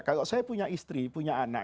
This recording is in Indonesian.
kalau saya punya istri punya anak